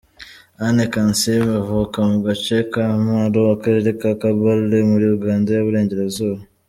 Anne Kansiime avuka mu gace ka Mparo, Akarere ka Kabale, muri Uganda y’Uburengerazuba.